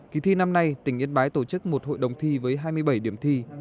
kỳ thi năm nay tỉnh yên bái tổ chức một hội đồng thi với hai mươi bảy điểm thi